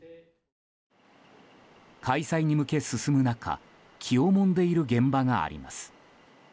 開催に向け進む中気をもんでいる現場があります。